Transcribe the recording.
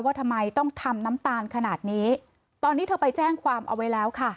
ว่าทำไมต้องทำน้ำตาลขนาดนี้ตอนนี้เธอไปแจ้งความเอาไว้แล้วค่ะ